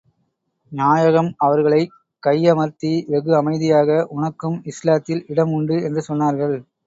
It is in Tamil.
நாயகம், அவர்களைக் கை அமர்த்தி வெகு அமைதியாக உனக்கும் இஸ்லாத்தில் இடம் உண்டு என்று சொன்னார்கள்.